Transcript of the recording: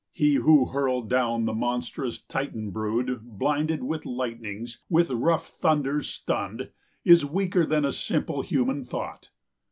He who hurled down the monstrous Titan brood Blinded with lightnings, with rough thunders stunned, Is weaker than a simple human thought.